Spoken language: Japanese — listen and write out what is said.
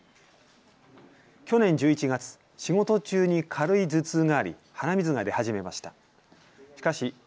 去年１１月、仕事中に軽い頭痛があり鼻水が出始めました。